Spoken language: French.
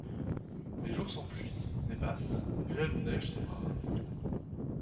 Les jours sans pluie, névasse, grêle ou neige sont rares.